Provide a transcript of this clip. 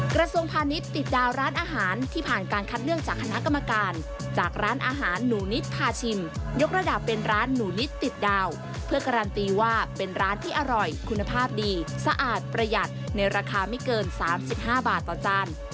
กระทรวงพาณิชย์ติดดาวร้านอาหารที่ผ่านการคัดเลือกจากคณะกรรมการจากร้านอาหารหนูนิดพาชิมยกระดับเป็นร้านหนูนิดติดดาวเพื่อการันตีว่าเป็นร้านที่อร่อยคุณภาพดีสะอาดประหยัดในราคาไม่เกิน๓๕บาทต่อจาน